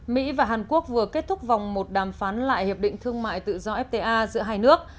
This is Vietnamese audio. mỹ và hàn quốc vừa kết thúc vòng một đàm phán lại hiệp định thương mại tự do fta giữa hai nước